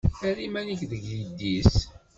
Err iman-ik deg yidis.